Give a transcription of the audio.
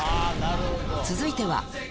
続いては。